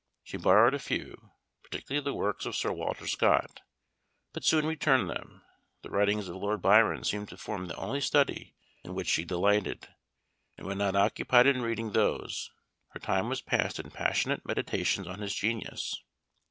She borrowed a few, particularly the works of Sir Walter Scott, but soon returned them; the writings of Lord Byron seemed to form the only study in which she delighted, and when not occupied in reading those, her time was passed in passionate meditations on his genius.